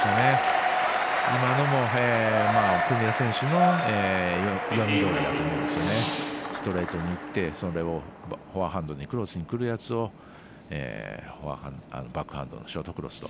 今のもストレートにいってフォアハンドでクロスにくるやつをバックハンドのショートクロスと。